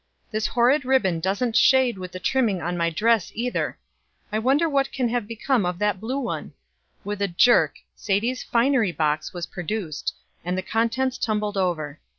"This horrid ribbon doesn't shade with the trimming on my dress either. I wonder what can have become of that blue one?" With a jerk Sadie's "finery box" was produced, and the contents tumbled over.